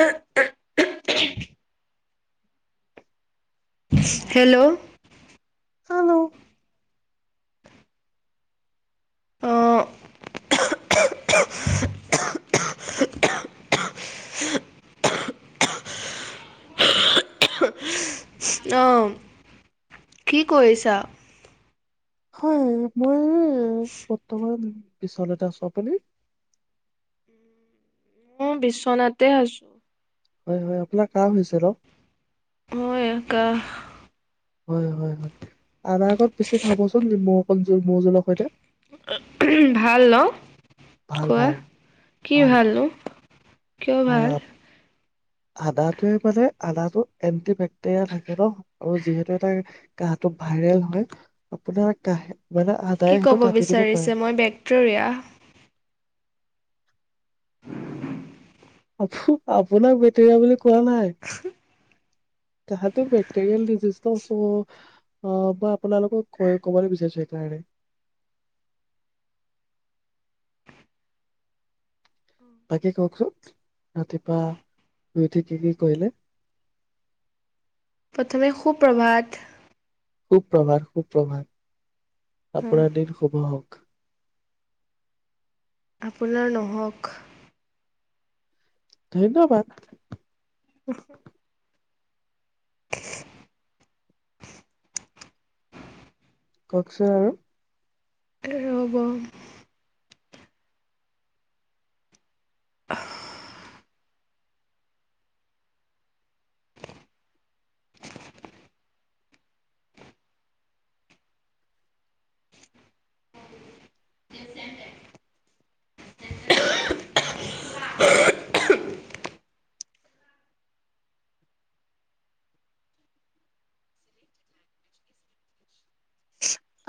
উ উ hello hello অ' [inaudible] অহ কি কৰিছা? হয় মই উম [unintelligible] পিছলেত চপনি উ বিশ্বনাথতে আছো হয় হয় আপোনাৰ ক হৈছে ৰ মই মকা হয় হয় হয় আদাৰ আগত পিচি খাবচোন নিমৌ অক জ মৌ জোলৰ সৈতে ভাল ন ভাল খোৱা ভাল কি ভাল ভালনো কিয় ভাল? আহ, আদাটোৱে মানে আদটো এণ্টি বেক্টেৰিয়া থাকে ন আৰু যিহেতু এটা কাহটো ভাইৰেল হয় আপোনাৰ কাহে মানে আদায়ে কি সেইটো ক'ব কাটি দিব পাৰে বিচাৰিছে মই ভেক্টৰিয়া [unintelligible] আপ আপোনাক বেটৰীয়া বুলি কোৱামাৰ তাহো বেক্টেৰিয়েল ডিজিজ ন চ আহ মই আপোনালোকক কৈ কবলৈ বিচাৰিছো সেইকাৰণে তাকে কওকচোন ৰাতিপুৱা শুই উঠি কি কি কৰিলে? প্ৰথমে সুপ্ৰভাত সুপ্ৰভাৰ, সুপ্ৰভাত। আপোনাৰ দিন শুভ হওক। আপোনাৰ নহওক। ধন্যবাদ। [inaudible] [unintelligible] কওকচোন আৰু। এ ৰব।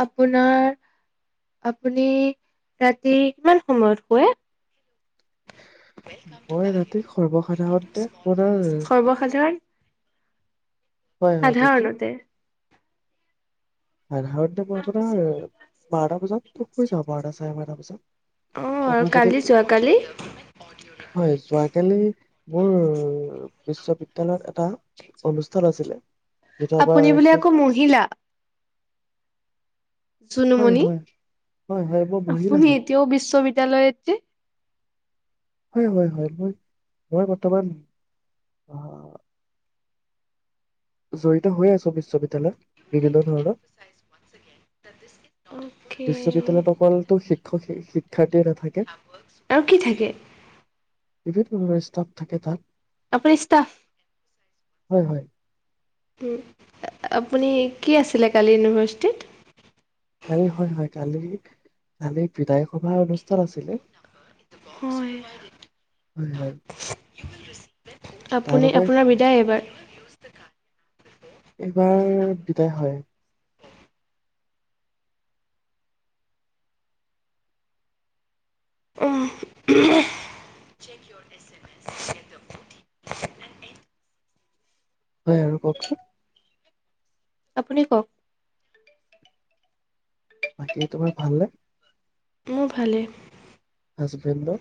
আপোনাৰ, আপুনি ৰাতি কিমান সময়ত শুৱে? মই ৰাতি সৰ্বসাধাৰণতে আপোনাৰ সৰ্বসাধাৰণ। হয় হয় কওকচোন, সাধাৰণতে। সাধাৰণতে মই আপোনাৰ, বাৰটা বজাত [unintelligible] শুই যাওঁ, বাৰটা, চাৰে বাৰটাৰ পিচত। অ', অঁ মই কালি যদি, যোৱাকালি হয় যোৱাকালি। মোৰ বিশ্ববিদ্যালয়ত এটা অনুষ্ঠান আছিলে। যিটো আমাৰ আপুনি বোলে শেষ আকৌ মহিলা? হয় জুনুমণি, হয় হয় হয় মই মহিলা আপুনি হয়, এতিয়াও বিশ্ববিদ [unintelligible] হয়, হয়, হয়, মই মই বৰ্তমান অ'হ। জড়িত হৈয় আছো বিশ্ববিদ্যালয়ত। বিভিন্ন ধৰণৰ। অ'কে বিশ্ববিদ্যালয়ত অকলতো শিক্ষক-শিক্ষাৰ্থীয়ে নাথাকে। আৰু কি থাকে বিভিন্ন ধৰণৰ ষ্টাফ থাকে তাত। আপুনি ষ্টাফ? হয় হয় উম, আপুনি কি আছিলে কালি ইউনিভাৰ্চিটিত? কালি, হয়, হয়, কালি কালি বিধায়ক সভাৰ অনুষ্ঠান আছিলে। হয়। [inaudible] তাৰ আপুনি বাবে আপোনাৰ বিদায় এইবাৰ। এইবাৰ দুটাই হয়। হয় আৰু কওকচোন। আপুনি কওক। বাকী তোমাৰ ভাল নে? মোৰ ভালে। হাজবেণ্ডৰ।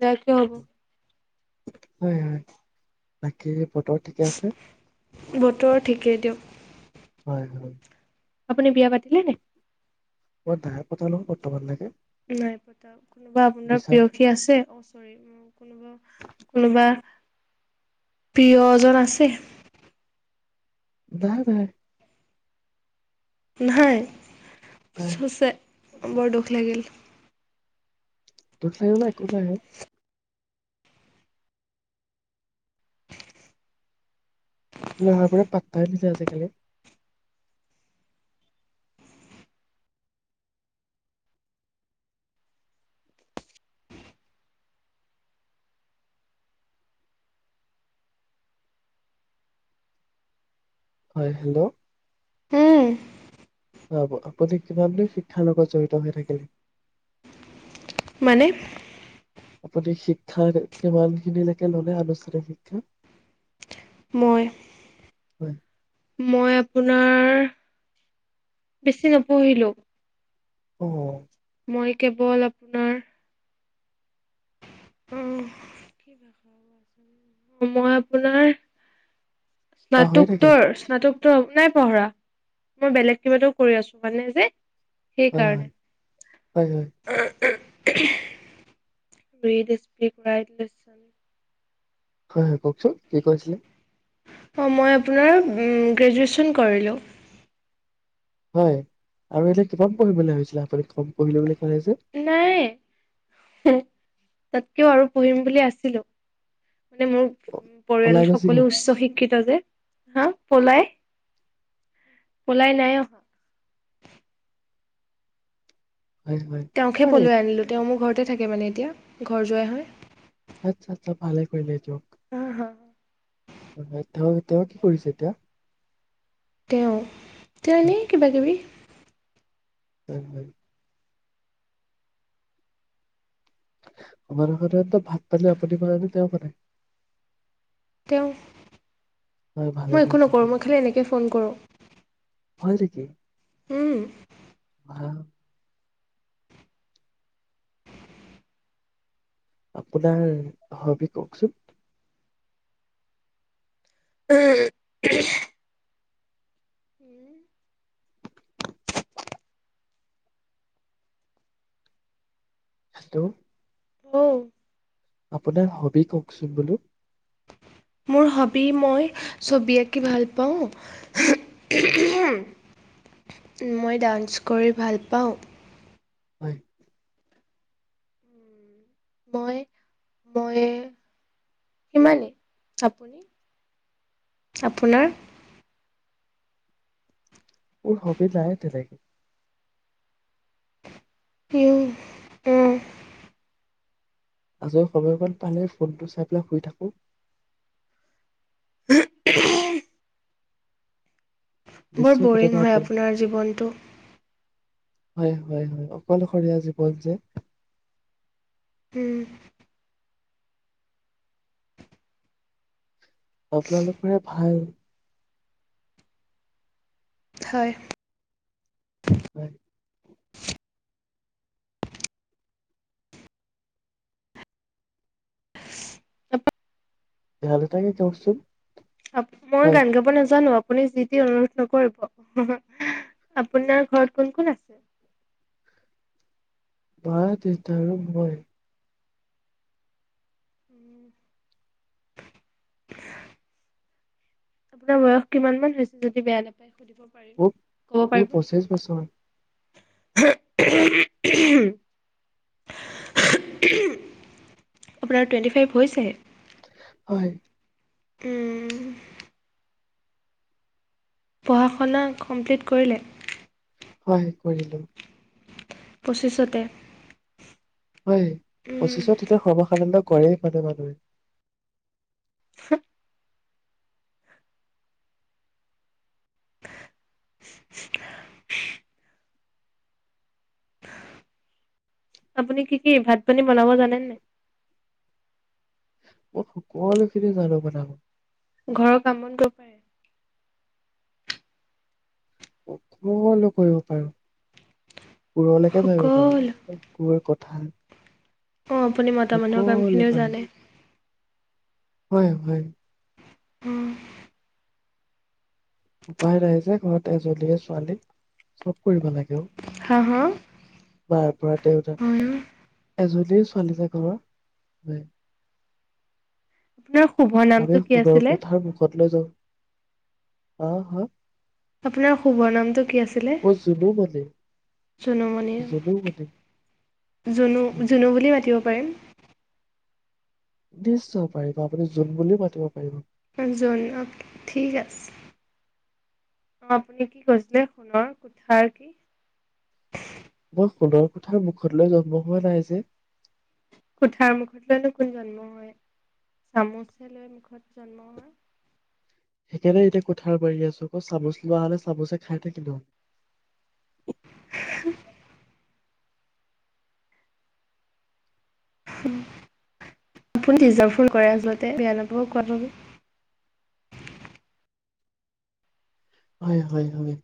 যাইকে হ'ব। হয়, হয়, বাকী বতৰ ঠিকে আছে? বতৰ ঠিকেই দিয়ক। হয়, হয়। আপুনি বিয়া পাতিলে নাই? মই নাই পতা বৰ্তমানলৈকে। নাই, পতা কোনোবা আপোনাৰ বিচাৰ প্ৰেয়সী আছে, কোনোবা? প্ৰিয়জন আছে? বাহ বা নহয় শ নাই হৈছে বৰ দুখ লাগিল তো ফালে একো নাই লৰা বোৰ পাত্তাই পিছে আজিকালি হয় হেল্ল' হুম আপুনি কিমান দুৰ শিক্ষাৰ লগত জড়িত হৈ থাকিলে মানে আপুনি শিক্ষা কিমানখিনিলৈকে ললে আনুষ্ঠানিক শিক্ষা মই হয় মই আপোনাৰ বেছি নপঢ়িলোঁ অ মই কেৱল আপোনাৰ উ মই আপোনাৰ পাহৰি থাকিলে স্নাতকতৰ স্নাতক নাই পঢ়ৰা মই বেলেগ কিবাও কৰি আছো মানে যে সেই হয় কাৰণে হয় হয় হয় উম, উম। উহু [unintelligible] হয় হয় কওকচোন কি কৈছিলে অঁ মই আপোনাৰ গ্ৰেজুৱেশ্যন কৰিলোঁ হয় আৰু এতিয়া কিমান পঢ়িম বুলি ভাবিছিলা আপুনি কম পঢ়িলে বুলি ক'লে যে নাই তাতকেও আৰু পঢ়িম বুলি আছিলো মানে মোৰ উ পলাই পৰিয়ালত গুচি সকলো গ'ল উচ্চ শিক্ষিত যে হা পলাই ওলাই নাই অহা হয় হয় তেওঁকহে হয় পলুৱাই এইটো- আনিলো তেওঁ মোৰ ঘৰত ততে থাকে মানে এতিয়া ঘৰ জোৱাই হয় আচ্ছা আচ্ছা ভালে কৰিলে দিয়ক আ হা হয় তেওঁ তেওঁ কি কৰিছে এতিয়া তেওঁ তেওঁ হয় এনেই কিবা কিবি হয় হয় ভাত পানী আপুনি বনায় নে তেওঁ বনাই তেওঁ হয় ভালে মই একো কৰিছে নকৰোঁ দিয়ক মই খালি এনেকৈ ফোন কৰোঁ হয় নেকি উম আহা আপোনাৰ হবি কওকচোন? উম [unintelligible] [unintelligible] হেটো। উম। আপোনাৰ হবি কওকচোন, বোলো। মোৰ হবি, মই ছবি আঁকি ভাল পাওঁ। হয় [unintelligible] মই ডান্স কৰি ভাল পাওঁ। হয়। মই, মই, সিমানেই। আপুনি, আপোনাৰ? মোৰ হবি নাই তেনেকে। উম, উম। আজৰি সময় অকন পালে, ফোনটো চাই পেলাই শুই থাকোঁ। হম [unintelligible] বৰ নিশ্চয় বৰিং কেতিয়াবা হয় আপোন আপোনাৰ জীৱনটো। হয়, হয়, হয়। অকলশৰীয়া জীৱন যে। উম, আপোনালোকৰে ভাল। হয়। হয়। আপ [unintelligible] গান এটাকে গাওকচোন। আপ মই গান গাব নাজানোঁ। আ আপুনি যিটি অনুৰোধ নকৰিব, হি হি। আপোনাৰ ঘৰত কোন কোন আছে? ঘৰত দেউতা আৰু মই। উম [inaudible] আপোনাৰ বয়স কিমানমান হৈছে, যদি বেয়া নাপায়? সুধিব পাৰিম। মোৰ, ক'ব মোৰ পাৰিব নি? পঁচিছ বছৰ। আপোনাৰ টুৱেণ্টি-ফাইভ হৈছেহে। হয়। উম। পঢ়া-শুনা কমপ্লিট কৰিলে? হয় কৰিলোঁ। পঁচিছতে হয়, উম, পঁচিছত এ [unintelligible] [unintelligible] [unintelligible] [unintelligible] আপুনি কি, কি ভাত-পানী বনাব জানেনে নাই? মই সকলোখিনি জানোঁ বনাব। ঘৰৰ কাম-বন কৰিব পাৰে? সকলো কৰিব পাৰোঁ। পুৰণাকে ভাবিব সকলো। পাৰো [unintelligible] ভাল অ আপুনি মতা মানুহৰ কামখিনিও জানে হয় হয় উম উপায় নাই যে ঘৰত এজনলীয়ে ছোৱালী চব কৰিব লাগেও হা হা? তাৰ পৰা দেত হয় অ'। এজন দু ছোৱালী জ ঘৰ আপোনাৰ শুভ আমি নামটো কি আছিলে অহ হ আপোনাৰ শুভ নামটো কি আছিলে মই জুনু মানে জুনুমণি জুনু মানে জুনু হয় জুনু বুলি মাতিব পাৰিম নিশ্চয় পাৰিব আপুনি জোন বুলিও মাতিব পাৰিব জ ঠিক আছে অ আপুনি কি কৈছিলে সোণৰ কোঠ কি মই সোণৰ কোঠাৰ মুখত লৈ জন্ম হোৱা নাই যে কুঠাৰ মুখত লৈনো কোন জন্ম হয় চামুচে লৈ মুখত জন্ম হয় সেইকাৰণে এতিয়া কোঠাৰ মাৰি আছো আকৌ চামুচ লোৱা হলে চামুচে খাই থাকিলো উ [unintelligible] আপোন নিজাৰ ফোন কৰে আচলতে বেয়া নাপাব কোৱাাব হয় হয় হয়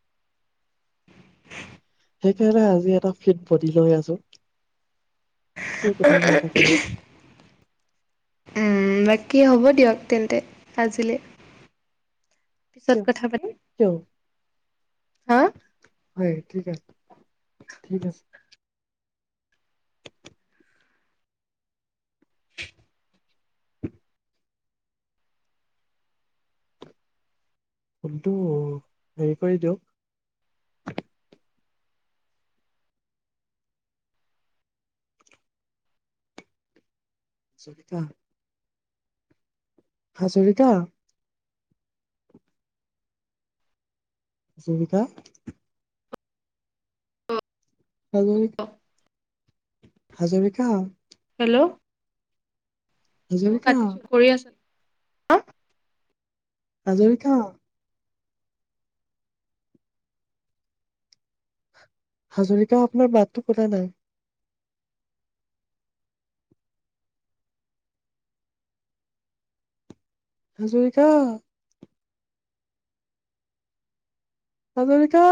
সেইকাৰণে আজি এটা ফিট বডি লৈ আছো মোৰ কোঠাৰ মাৰি থাকোতে আহ উম বাকী হ'ব দিয়ক তেন্তে আজিলে পিছত কিয় কথা পাতি কিয় হা হয় ঠিক আছে ঠিক আছে ফোনটো হেৰি কৰি দিয়ক হাজৰিকা হাজৰিকা অছুবিকা হব হাজৰিকা হেল্ল' মই হাজৰিকা কাটিছো কৰি আছ হা হাজৰিকা হাজৰিকা আপোনাৰ মাতটো শুনা নাই হাজৰিকা আমেৰিকা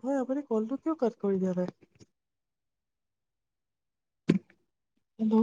হয় আপুনি কলটো কিয় কাট কৰি দিয়া নাই হেল্ল'